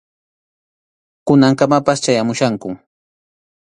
Kunankamapas chayamuchkankum.